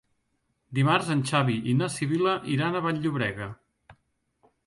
Dimarts en Xavi i na Sibil·la iran a Vall-llobrega.